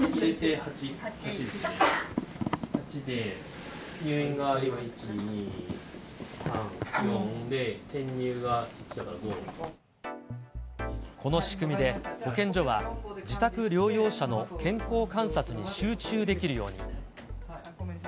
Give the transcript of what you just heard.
８で、入院が１、２、３、４で、この仕組みで、保健所は自宅療養者の健康観察に集中できるように。